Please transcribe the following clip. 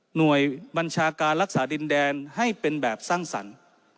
หน่วยบัญชาการรักษาดินแดนให้เป็นแบบสร้างสรรค์